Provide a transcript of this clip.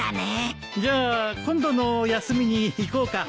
じゃあ今度の休みに行こうか。